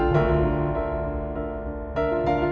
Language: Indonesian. ya udah seseorangin ke tempat